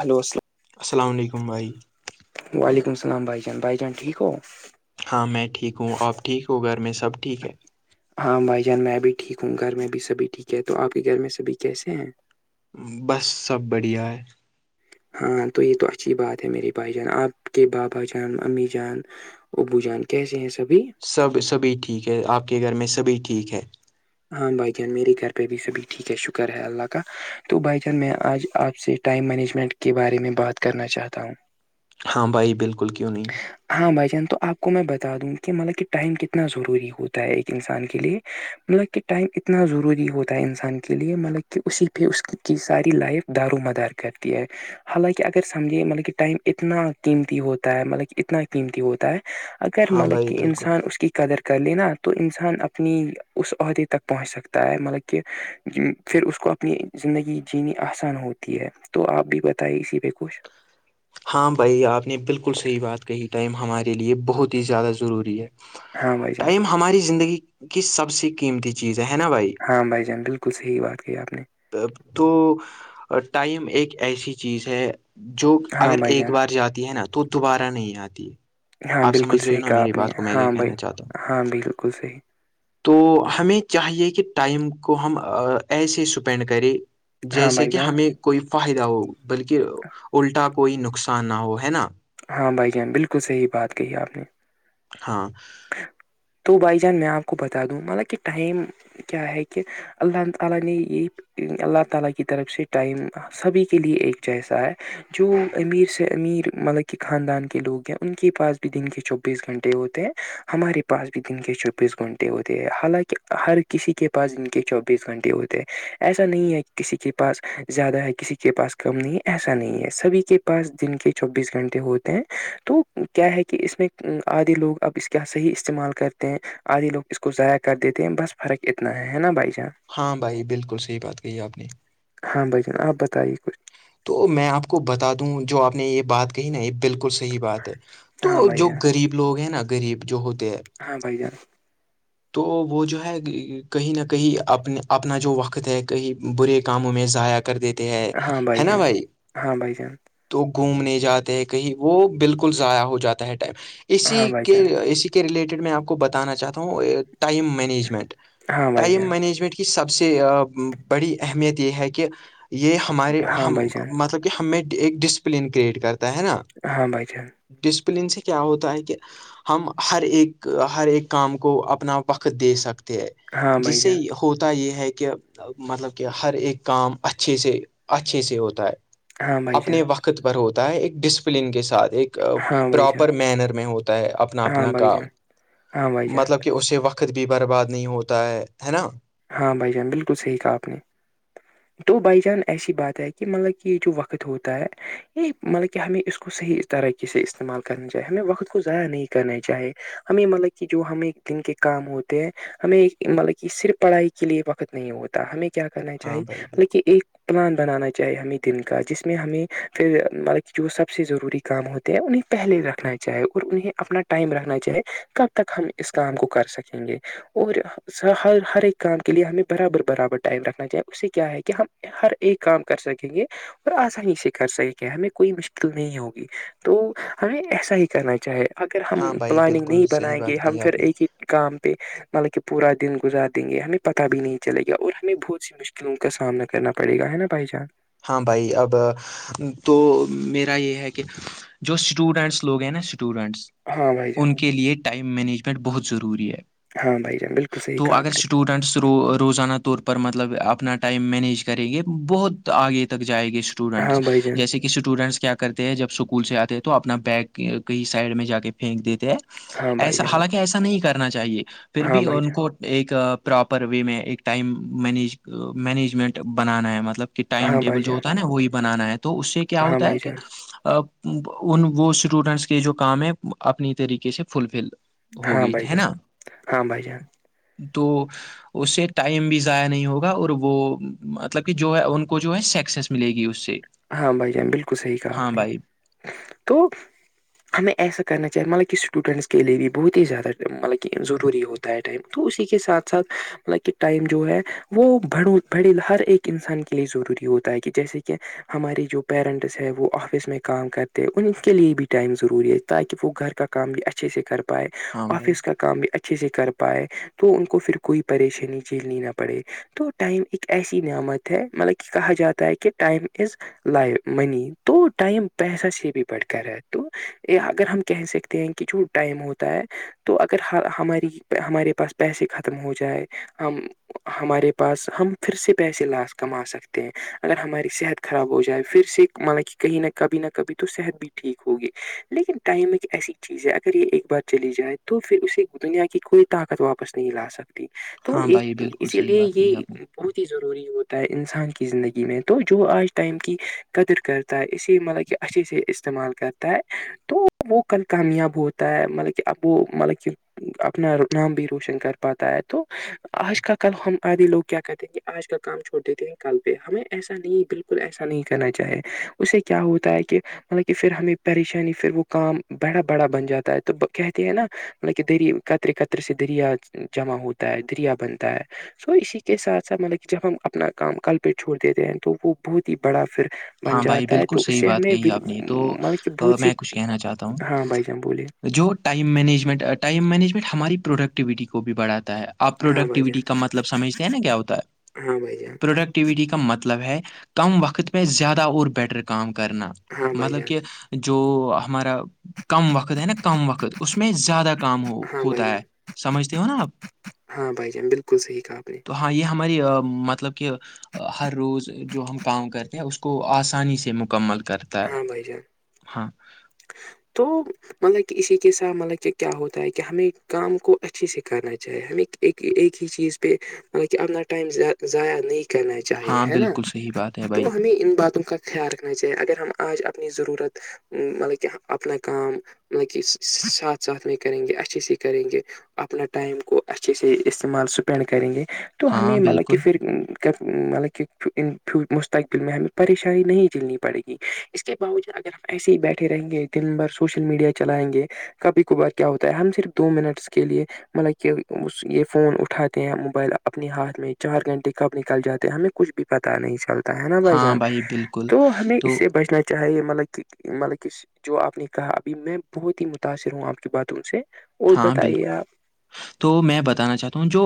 hello السلام السلام علیکم بھائی وعلیکم السلام بھائی جان بھائی جان ٹھیک ہو ہاں میں ٹھیک ہوں آپ ٹھیک ہو گھر میں سب ٹھیک ہے ہاں بھائی جان میں بھی ٹھیک ہوں گھر میں بھی سبھی ٹھیک ہے تو آپ کے گھر میں سبھی کیسے ہیں بس سب بڑیا ہے ہاں تو یہ تو اچھی بات ہے میرے بھائی جان آپ کے بابا جان امی جان ابو جان کیسے ہیں سبھی سب سبھی ٹھیک ہے آپ کے گھر میں سبھی ٹھیک ہے ہاں بھائی جان میرے گھر پہ بھیھی سبھی ٹھیک ہے شکر ہے اللہ کا تو بھائی جان میں آج آپ سے ٹائم مینجمنٹ کے بارے میں بات کرنا چاہتا ہوں ہاں بھائی بالکل کیوں نہیں ہاں بھائی جان تو آپ کو میں بتا دوں کہ مطلب کہ ٹائم کتنا ضروری ہوتا ہے ایک انسان کے لیے مطلب کہ ٹائم اتنا ضروری ہوتا ہے انسان کے لیے مطلب کہ اسی پہ اس کی ساری لائف دارومدار کرتی ہے حالانکہ اگر سمجھیے مطلب کہ ٹائم اتنا قیمتی ہوتا ہے مطلب کہ اتنا قیمتی ہوتا ہے اگر ہاں مطلب بھائی کہ بالکل انسان اس کی قدر کر لےینا تو انسان اپنی اس عہدے تک پہنچ سکتا ہے مطلب کہ پھر اس کو اپنی زندگی جینی آسان ہوتی ہے تو آپ بھی بتائیں اسی پہ کچھ ہاں بھائی آپ نے بالکل صحیح بات کہی ٹائم ہمارے لیے بہت ہی زیادہ ضروری ہے ہاں بھائی جان ٹائم ہماری زندگی کی سب سے قیمتی چیز ہے نا بھائی ہاں بھائی جان بالکل صحیح بات کی آپ نے تو ٹائم ایک ایسی چیز ہے جو ہاں اگر بھائی ایک جان بار جاتی ہے نا تو دوبارہ نہیں آتی ہے ہاں آپ بالکل سمجھ رہے ہو صحیح نا کہا میری آپ نے بات کو میں یہ ہاں بھائی کہنا چاہتا ہوں ہاں بالکل صحیح تو ہمیں چاہیے کہ ٹائم کو ہم ایسے اسپینڈ کریں ہاں جیسے بھائی کہ جان ہمیں کوئی فائدہ ہو بلکہ الٹا کوئی نقصان نہ ہو ہے نا ہاں بھائی جان بالکل صحیح بات کہ آپ نے ہاں تو بائی جان میں آپ کو بتا دوں مطلب کہ ٹائم کیا ہے کہ اللہ تعالی نے عید اللہ تعالی کی طرف سے ٹائم اپ سبھی کے لیے ایک جیسا ہے جو امیر سے امیر مطلب کے خاندان کے لوگ ہیں ان کے پاس بھی دن کے چوبیس گھنٹے ہوتے ہیں ہمارے پاس بھی دن کے چوبیس گھنٹے ہوتے ہیں حالانکہ ہر کسی کے پاس جن کے چوبیس گھنٹے ہوتے ہیں ایسا نہیں ہے کسی کے پاس زیادہ ہے کسی کے پاس کم نہیں ہے ایسا نہیں ہے سبھی کے پاس دن کے چوبیس گھنٹے ہوتے ہیں تو کیا ہے کہ اس میں آدھے لوگ اب اس کا صحیح استعمال کرتے ہیں آدھی لوگ اس کو ضائع کر دیتے ہیں بس فرق اتنا ہے نا بھائی جاناں ہاں بھائی بالکل صحی بات کہی آپ نے ہاں بھائی جان آپ بتائیے کچھ تو میں آپ کو بتا دوں جو آپ نے یہ بات کہی نا یہ بالکل صحیح بات ہے ہاں تو بھائی جو جان غریب لوگ ہیں نا غریب جو ہوتے ہیں ہاں بائی جان تو وہ جو ہے کہیں نہ کہیں اپنے اپنا جو وقت ہے کہیں برے کاموں میں ضائع کر دیتے ہیں ہاں ہے نا جان بھائی ہاں بھائی جان تو گھومنے جاتے ہیں کہیں وہ بالکل ضائع ہو جاتا ہے ٹائم اسی ہاں کے بھائی اسی ریلیٹڈ میں آپ کو بتانا چاہتا ہوں ٹائم مینجمنٹ ٹائم جان مینجمنٹ کے سب سے بڑی اہمیت یہ ہے کہ یہ ہمارے ہاں ہم بھائی جان مطلب کہ ہمیں ایک ڈسپلن کریئٹ کرتا ہے نا ہاں بھائی جان ڈسپلن سے کیا ہوتا ہے کہ ہم ہر ایک ہر ایک کام کو اپ اپنا وقت دے سکتے ہیں ہاں بھائی جسے جان ہوتا یہ ہے کہ مطلب کہ ہر ایک کام اچھے سے اچھے سے ہوتا ہے ہاں بھائی اپنے جان وقت پر ہوتا ہے ایک ڈسپلن کے ساتھ ایک ہاں بھائی جان پراپر مینر میں ہوتا ہے اپنا ہاں بھائی جان ہاں اپنا بھائی کا جان ہاں بھائی جان مطلب کہ اسے وقت بھی برباد نہیں ہوتا ہے ہے نا ہاں بھائی جان بالکل صحی کہا آپ نے [unintelligible] تو بائی جان ایسی بات ہے کہ مطلب کہ یہ جو وقت ہوتا ہے یہ مطلب کہ ہمیں اس کو صحیح طرقی سے استعمال کرنا چاہی ہمیں وقت کو ضائع نہیں کرنا چیے ہمیں مطلب کہ جو ہمیں ایک دن کے کام ہوتے ہیں ہمیں مطلب کہ صرف پڑھائی کے لیے وقت نہیں ہوتا ہمیں کیا کرنا ہاں چاہیے بھائی مطلب بالکل کہ ایک پلان بنانا چاہیے ہمیں دن کا جس میں ہمیں پھر مطلب جو سب سے ضروری کام ہوتے ہیں انہیں پہلے رکھنا چاہے اور انہیں اپنا ٹائم رکھنا چاہے کب تک ہم اس کام کو کر سکیں گے اور ہر ہر ایک کام کے لیے ہمیں برابر برابر ٹائم رکھنا چاہیے اس سے کیا ہے کہ ہم ہر ایک کام کر سکیں گے اور آسانی سے کر سک گے ہمیں کوئی مشکل نہیں ہوگی تو ہمیں ایسا ہی کرنا چاہے اگر ہم ہاں بھائی پلاننگ بالکل نہیں صحیح بنائیں گے بات ہم کہی پھر آپ نے ایک ہی کام پہ مطلب کہ پورا دن گزاریں دیں گے ہمیں پتا بھی نہیں چلے گا اور ہمیں بہت سی مشکلوں کا سامنا کرنا پڑے گا ہے نا بھائی جان ہاں بھائی اب تو میرا یہ ہے کہ جو اسٹوڈنٹس لوگ ہیں نا اسٹوڈنٹس ہاں بھائی جان ان کے لیئے ٹائم مینجمنٹ بہت ضروری ہے ہاں بھائی جان بالکل صحیح کہ آپ اسوڈنٹس رو روزانہ طور پر مطلب اپنا ٹائم مینیج کریں گے بہت آگے تک جائے گے اسٹوڈنٹس ہاں بھائی جان جیسے کہ کہ اسٹوڈینٹس کیا کرتے ہیں جب اسکول سے آتے ہیں تو اپنا بیک کہیں سائڈ میں جا کے پھینک دیتے ہیں ہاں بھائی ایسا جان حالانکہ ایسا نہیں کرنا چاہیے پھر ہاں بھی بھائی ان جان کو ایک پراپر وے میں ایک ٹائم مینج مینجمنٹ بنانا ہے مطلب کہ ٹائم ہاں بھائی ٹیبل جو جان ہوتا ہے نا وہی بنانا ہے تو اس سے کیا ہاں ہوتا ہے بھائی کہ جان ان وہ اسٹوڈینٹس کے جو کام ہے اپنی طریقے سے فلفل ہو ہاں گئے بھائی ہے جان نا ہاں بھائی جان تو اس سے ٹائم بھی ضائع نہیں ہوگا اور وہ مطلب کہ جو ہے ان کو جو ہے سکسیس ملے گی اس سے ہاں بھائی جان بالکل صحیح کہا ہاں آپ نے بھائی تو ہمیں ایسا کرنا چاہیے مطلب کہ اسٹوڈنٹس کے لیے بھی بہت ہی زیادہ مطلب کہ ضروری ہوتی ہے ہے ٹائم تو اسی کے ساتھ ساتھ مطلب کہ ٹائم جو ہے وہ بڑ بھڑی ہر ایک انسان کے لیے ضروری ہوتا ہے کہ جیسے کہ ہمارے جو پیرنٹس ہے وہ آفس میں کام کرتے ہیں ان کے لیے بھی ٹائم ضروری ہے تاکہ وہ گھر کا کام بھی اچھے سے کر پائے ہاں بھائی آفس کا کام بھی اچھے سے کر پائے تو ان کو پھر کوئی پریشانی جھینیینا پڑے تو ٹائم ایک ایسی نعمت ہے مطلب کہ کہا جاتا ہے کہ ٹائم از لائی منی تو ٹائم پیسہ سے بھی بڑٹھ کر رہ ہے تو یہ اگر ہم کہہ سکتے ہیں کہ جو ٹائم ہوتا ہے تو اگر ہماری ہمارے پاس پیسے ختم ہو جائے ہم ہمارے پاس ہم پھر سے پیسے لاس کما سکتے ہیں اگر ہماری صحت خراب ہو جائے پھر سے مطا کہ کہیں نہ کبھی نہ کبھی تو صحت بھی ٹھیک ہوگی لیکن ٹائم ایک ایسی چیز ہے اگر یہ ایک بار چلی جائے تو پھر اسے دنیا کی کوئی طاقت واپس نہیں لا سکتا تو ہاں ایک بھائی بالکل اسی صحیح لیے بات یہ کہی آپ نے بہت ہی ضروری ہوتا ہے انسان کی زندگی میں تو جو آج ٹائم کی قدر کرتا ہے اسی مطلب کہ اچھے سے استعمال کرتا ہے تو وہ کل کامیاب ہوتا ہے مطلب کہ اب وہ مطلب کی اپنا نام بھی روشن کر پاتا ہے تو آج کا کل ہم آدے لوگ کیا کہتے ہیں کہ آج کا کام چھوڑ دیتے ہیں کل پہ ہمیں ایسا نہیں ہے بالکل کول ایسا نہیں کرنا چاہے اس سے کیا ہوتا ہے کہ مطلب کہ پھر ہمیں پریشانی پھر وہ کام بڑا بڑا بن جاتا ہے تو کہتے ہیں نا مطلب کہ دری قترے قترے سے دریا جمع ہوتا ہے دریا بنتا ہے سو اسی کے ساتھ ساتھ مطلب کہ جب ہم اپنا کام کل پیٹ چھوڑ دیتے ہیں تو وہ بہت ہی بڑا پھر بن ہاں بھائی جاتا ہے بالکل تو اس صحیح سے بات ہمیں کہی آپ نے تو مطلب کہ آ، بہت سی میں کچھ کہنا چاہتا ہوں ہاں بھائی جان بولے جو ٹائم مینجمنٹ ٹائم مینجمنٹ ہماری پروڈکٹیوٹی کو بھی بڑھاتا ہے آپ ہاں بھائی پروڈکٹیوٹی جان کا مطلب سمجھتے ہیں نا کیا ہوتا ہے ہاں بھائی جان پروڈکٹ ایکٹیوٹی کا مطلب ہے کم وقت میں زیادہ اور بیٹر کام کرنا ہاں بھائی مطلب جان کہ جو ہمارا کم وقت ہے نا کم وقت اس میں زیادہ کام ہو ہاں بھائی ہوتا جان ہے سمجھتے ہو نا آپ ہاں بھائی جان بالکلح آپ نے تو ہاں یہ ہماری مطلب کہ ہر روز جو ہم کام کرتے ہیں اس کو آسانی سے مکمل کر ہاں بھائی جان تو مطلب کہ اسی کے ساتھ مطلب کہ کیا ہوتا ہے کہ ہمیں کام کو اچھے سے کرنا چاہیے ہمیں اک ایکک ہی چیز پہ مطلب کہ اپنا ائم ضائع نہیں کرنا چی چاہیے ہاں ہے نا بالکل صحیح بات ہے تو بھائی ہمیں ان باتوں کا خیال رکھنا چاہیے اگر ہم آج اپنی ضرورت مطلب کہ اپنا کام مطلب کہ ساتھ ساتھ میں کریں گے اچھی سےی کریں گے اپنا ٹائم کو اچھے سے استعمال اسپینڈ کریں گے تو ہاں ہمیں مطلب کہ بالکل پھر مطلب کہ مستقبل میں ہمیں پریشانی نہیں جھیلنی پڑے گی اس کے باوجود اگر ہم ایسے ہی بیٹھے رہیں گے دن بھر سوشل میڈیا چلائیں گے کبھی کبار کیا ہوتا ہے ہم صرف دو منٹس کے لیے مطلب کہ اس یہ فون اٹھاتے ہیں موبائل اپنے ہاتھ میں چار گھنٹے کب نکل جاتے ہیں ہمیں کچھ بھی پتا نہیں چلتا ہے نا بھ ہاں جان بھائی بالکل تو ہمیں اس تو سے بچنا چاہے مطلب کہ مطلب کہ جو آپ نے کہا ابھی میں بہت ہی متاثر ہوں آپ کی باتوں سے اور ہاں بتائیے بالکل آپ تو میں بتانا چاہتا ہوں جو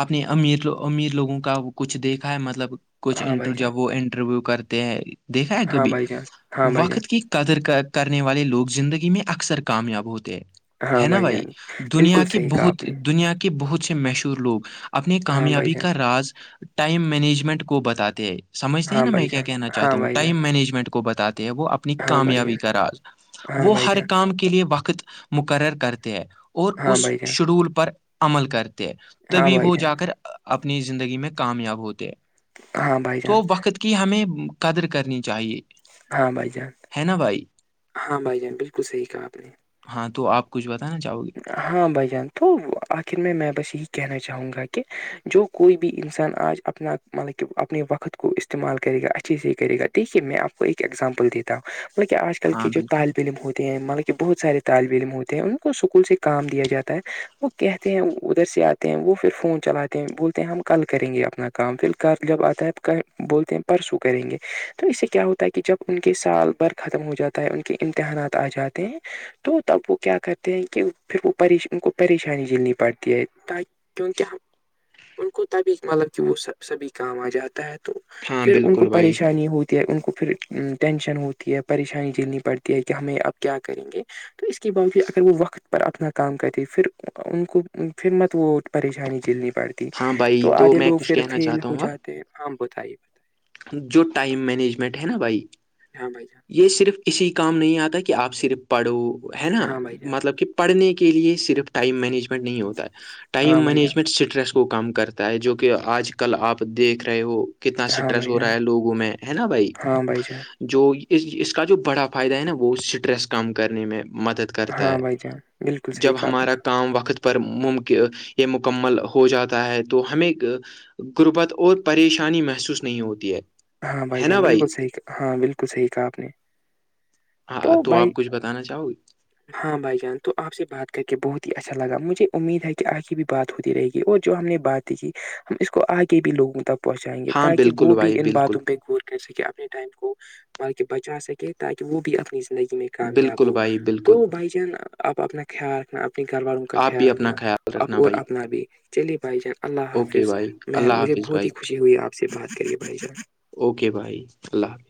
آپ نے امیر امیر لوگوں کا کچھ دیکھا ہے مطلب کچھ ہاں انٹر بھائی جان جب وہ انٹرویو کرتے ہیں دیکھا ہے ہاں کبھی بھائی جان ہاں بھائی جان وقت کی قدر کرنے والے لوگ زندگی میں اکثر کامیاب ہوتے ہیں ہاں ہے نا بھائی جان دنیا بالکل کے صحیح کہا آپ بہت نے دنیا کے بہت سے مشہور لوگ اپنی ہاں بھائی کامیابی جان کا راز ٹائم مینجمنٹ کو بتاتے ہیں سمجتے ہیں ہاں نا میں بھائی کیا جان کہنا چاہتا ہاں ہوں بھائی ٹائم مینجمنٹ کو بتاتے ہیں وہ اپنی کامیابی جان کا راز ہاں وہ بھائی ہر جان کام کے لیے وقت مقرر کرتے ہیں اور ہاں اس بھائی جان شیڈول پر عمل کرتے ہیں ہاں تبھی بھائی وہ جان جا کر اپنی زندگی میں کامیاب ہوتے ہیں ہاں بھائی جان ہاں بھائی جان تو وقت کے کہ ہمیں قدر کرنی چاہیے ہاں بھائی جان ہے نا بھائی ہاں بھائی جان بالکل صحیح کہا آپ نے ہاں تو آپ کچھ بتانا چاہو گے ہاں بھائی جان تو آخر میں میں بس یہی کہنا چاہوں گا کہ جو کوئی بھی انسان آج اپنا مطلب کہ اپنے وقت کو استعمال کرے گا اچھے سے ہی کرے گا دیکھیے میں کو ایکگزامپل دی مطلب کہ آج کل ہاں کے جو بالکل طالب علم ہوتے ہیں مطلب کہ بہت سارے طالب علم ہوتے ہیں ان کو س سے کام دیا جاتا ہے وہ کہتے ہیں ادھر سے آتے ہیں وہ پھر فون چلاتے ہیں بولتے ہیں ہم کل کریں گے اپنا کام پھر کل جب آتا ہے بولتے ہیں پرسوں کریں گے تو اس سے کیا ہوتا ہے کہ جب ان کے سال بھر ختم ہو جاتا ہے ان کے امتحانات آ جاتے ہیں تو تب وہ کیا کرتے ہیں کہ پھر وہش ان کو پریشانی جلنی پڑتی ہے کیونکہ ان کو تبھی مطلب کہ وہ سب سبھی کام آ جاتا ہے تو ہاں پھر ان کو بالکل بھائی پریشانی ہوتی ان کو پھر ٹینشن ہوتی ہے پریشانی جھیلنی پڑتی ہے کہ ہمیں اب کیا کریں گے تو اس کے باوجود اگر وہ وقت پر اپنا کام کرتے پھر ان کو پھر مت وہ پریشانی جلنی پڑتی ہاں تو بھائی آدھے میں لوگ کچھ پھر کہنا فیل چاہتا ہو ہوں گا جاتے ہیں آ بتائیے بتائیے جو ٹائم مینجمنٹ ہے نا بھائی ہاں بھائی ج یہ صرف اسی کام نہیں آتا کہ آپ صرف پڑھو ہے نا جان مطلب کہ پڑھنے کے لیے صرف ٹائم مینجمنٹ نہیں ہوتا ہے ہاں ٹائم بھائی جان مینجمنٹ اسٹریس کو کو کام کرتا ہے جو کہ آج کل آپ دیکھ رہے ہو کتنا ہاں اسٹریس بھائی ہو رہا جان ہے لوگوں میں ہے نا بھائی ہاں بھائی جان ہاں بھائی جو اس اس کا جو بڑا فائدہ ہے نا وہ اسٹریس کم کرنے میں مدد جان کرتا ہے ہاں بھائی جان بالکل صحیح جب کہا آپ نے ہمارا کام وقت پر ممکن یا مکمل ہو جاتا ہے تو ہمیں غربت اور پریشانی محسوس نہیں ہوتی ہے ہاں بھائی ہے جان نا بالکل صحیح ہاں بالکل صحیح کہا آپ نے ہاں تو آپ کچھ بتانا چاہو گی ہاں بھائی جان تو آپ سے بات کر کے بہت ہی اچھا لگا مجھے امید ہے کہ آگے بھی بات ہوتی رہے گی اور جو ہم نے باتیں کی ہم اس کو آگے بھی لوگوں تک پہنچائیں گے ہاں تاکہ بالکل وہ بھی بھائی ان باتوں بالکل ور کر سکے اپنے ٹائم کو بلکہ بچا سکے تاکہ وہ بھی اپنی زندگی میں کامیاب بالکل ہو بھائی بالکل تو بھائی جان آپ اپنا خیال رکھنا اپنے گھر والوں کا آپ خیال بھی رکھنا اپنا خیال ا رکھنا اور بھائی اپنا بھی چلیے بھائی جان اللہ اوکے حافظ بھائی میں اللہ مجھے حافظ بہت بھائی ہی خوشی ہوئی آپ سے بات کریے بھائی جانب اوکے بھائی اللہ حافظ